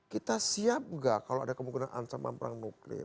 kita siap enggak kalau ada kemungkinan ancaman perang nuklif